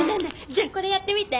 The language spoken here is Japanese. じゃあこれやってみて！